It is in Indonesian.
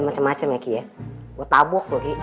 gua ngejengkut lu